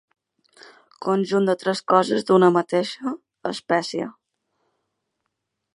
Conjunt de tres coses d'una mateixa espècie.